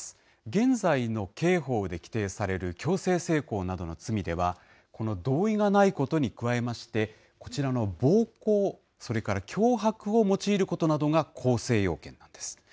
現在の刑法で規定される強制性交などの罪では、この同意がないことに加えまして、こちらの暴行、それから脅迫を用いることなどが構成要件なんです。